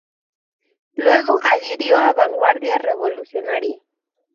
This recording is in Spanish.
Luego adhirió a Vanguardia Revolucionaria.